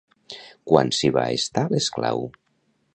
Quant s'hi va estar l'esclau?